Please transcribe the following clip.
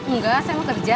enggak saya mau kerja